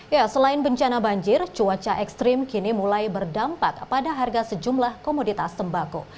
ya selain bencana banjir cuaca ekstrim kini mulai berdampak pada harga sejumlah komoditas tembako